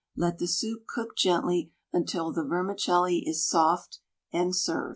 Let the soup cook gently until the vermicelli is soft, and serve.